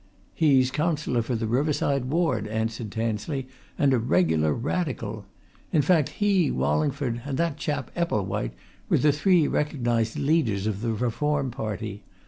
"He's Councillor for the Riverside Ward," answered Tansley, "and a regular Radical. In fact he, Wallingford, and that chap Epplewhite, were the three recognized leaders of the Reform party.